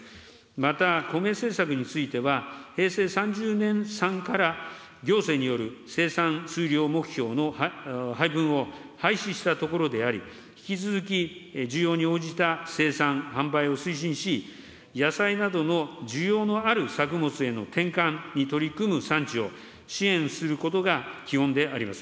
また、コメ政策については、平成３０年産から行政による生産数量目標の配分を廃止したところであり、引き続き需要に応じた生産・販売を推進し、野菜などの需要のある作物への転換に取り組む産地を、支援することが基本であります。